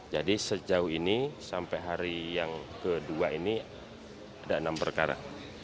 jadi sejauh ini sampai hari yang kedua ini ada enam perkara